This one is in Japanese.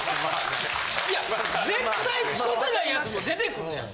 いや絶対使てないやつも出てくるやんか。